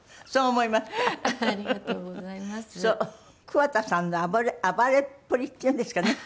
桑田さんの暴れっぷりっていうんですかね。